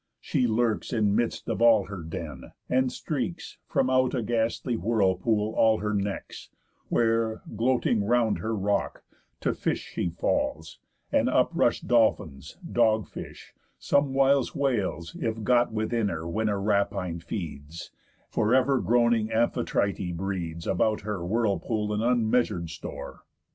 She lurks in midst of all her den, and streaks From out a ghastly whirlpool all her necks; Where, gloting round her rock, to fish she falls; And up rush dolphins, dogfish; somewhiles whales If got within her when her rapine feeds; For ever groaning Amphitrite breeds About her whirlpool an unmeasur'd store.